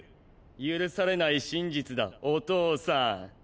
許されない真実だお父さん！